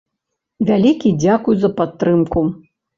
Вялікі дзякуй за падтрымку.